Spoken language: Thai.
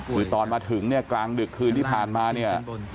คือตอนมาถึงเนี่ยกลางดึกคืนที่ผ่านมาเนี่ย